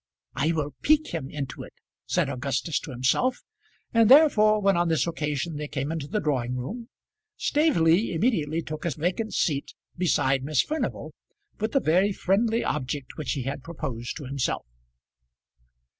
"I will pique him into it," said Augustus to himself, and therefore when on this occasion they came into the drawing room, Staveley immediately took a vacant seat beside Miss Furnival, with the very friendly object which he had proposed to himself.